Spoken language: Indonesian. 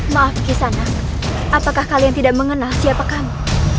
maaf kesana apakah kalian tidak mengenal siapa kami